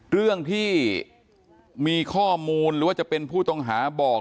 เรื่องที่มีข้อมูลหรือว่าจะเป็นผู้ต้องหาบอก